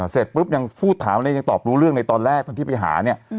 เสร็จปุ๊บยังพูดถามเลยยังตอบรู้เรื่องในตอนแรกตอนที่ไปหาเนี่ย